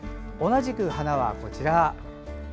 同じく花は、こちら。